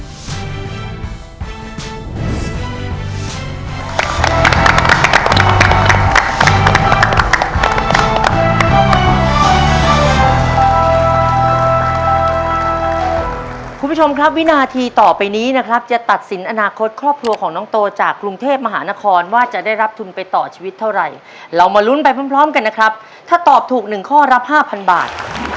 คุณผู้ชมครับวินาทีต่อไปนี้นะครับจะตัดสินอนาคตครอบครัวของน้องโตจากกรุงเทพมหานครว่าจะได้รับทุนไปต่อชีวิตเท่าไหร่เรามาลุ้นไปพร้อมกันนะครับถ้าตอบถูกหนึ่งข้อรับ๕๐๐บาท